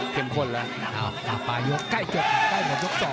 เข้มข้นแล้วต่อปลายกใกล้จบใกล้หมดยกสอง